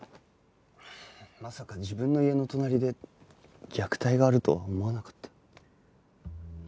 まさか自分の家の隣で虐待があるとは思わなかった。